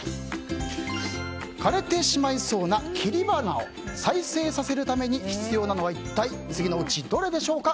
枯れてしまいそうな切り花を再生させるために必要なのは一体、次のうちどれでしょうか。